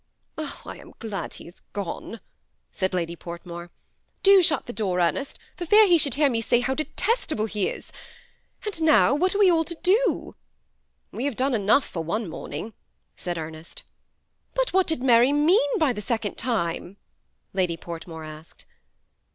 " I am glad he is gone," said Lady Portmore. " Do shut the door, Ernest, for fear he should hear me say how detestable he is ; and now what are we all to do ?"^* We have done enough for one morning," said Er nest. " But what did Mary mean by the second time ?" Lady Portmore asked.